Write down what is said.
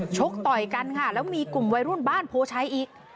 กต่อยกันค่ะแล้วมีกลุ่มวัยรุ่นบ้านโพชัยอีก